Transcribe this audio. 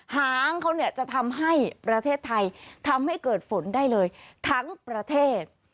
หางเขาเนี่ยจะทำให้ประเทศไทยทำให้เกิดฝนได้เลยทั้งประเทศ